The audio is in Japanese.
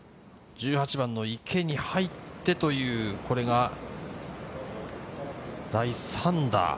１８番の池に入ってという第３打。